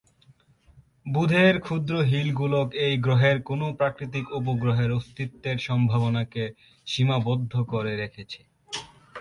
বুধের ক্ষুদ্র হিল গোলক এই গ্রহের কোনও প্রাকৃতিক উপগ্রহের অস্তিত্বের সম্ভাবনাকে সীমাবদ্ধ করে রেখেছে।